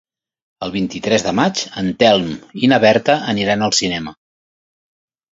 El vint-i-tres de maig en Telm i na Berta aniran al cinema.